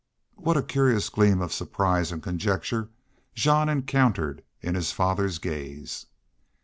What a curious gleam of surprise and conjecture Jean encountered in his father's gaze!